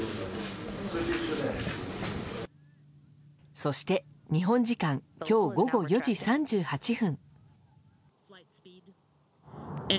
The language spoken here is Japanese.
そして日本時間今日午後４時３８分。